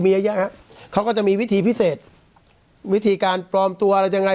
มีเยอะแยะฮะเขาก็จะมีวิธีพิเศษวิธีการปลอมตัวอะไรยังไง